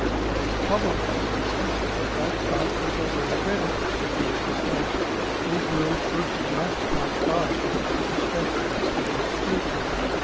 It is probable, for instance, that the great bulk of the law of evidence should be of this nature. These rules should for the most part guide judicial discretion, instead of excluding it.